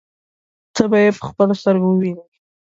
ته به يې په خپلو سترګو ووینې.